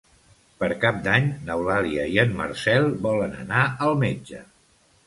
Per Cap d'Any n'Eulàlia i en Marcel volen anar al metge.